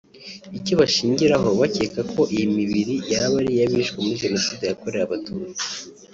Icyo bashingiraho bakeka ko iyi mibiri yaba ari iy’abishwe muri Jenoside yakorewe Abatutsi